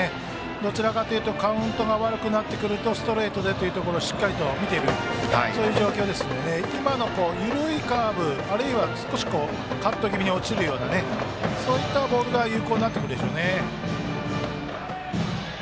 どちらかというとカウントが悪くなってくるとストレートでというところしっかり見ている状況なので今の緩いカーブ、あるいはカット気味に落ちるようなそういったボールが有効になってくるでしょうね。